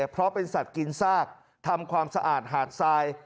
เพราะเป็นสัตว์กินซากทำความสะอาดหาดทราย